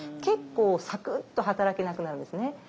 結構さくっと働けなくなるんですね。